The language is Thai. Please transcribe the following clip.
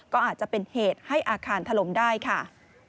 ก็อาจจะเป็นเหตุให้อาคารถล่มได้ค่ะ